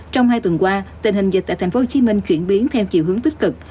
trong hai tuần qua tình hình dịch tại tp hcm chuyển biến theo chiều hướng tích cực